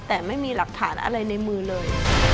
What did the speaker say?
แต่ไม่มีหลักฐานอะไรในมือเลย